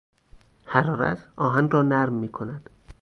حرارت آهن را نرم میکند.